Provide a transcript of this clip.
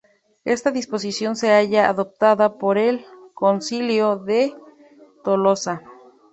Esta disposición se halla adoptada por el Concilio de Tolosa.